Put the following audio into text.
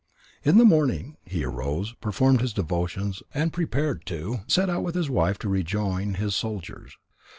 In the morning he arose, performed his devotions, and prepared to set out with his wife to rejoin his soldiers.